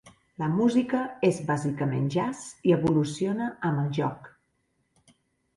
La música és bàsicament jazz i "evoluciona" amb el joc.